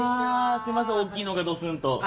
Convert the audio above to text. すいません大きいのがどすんと。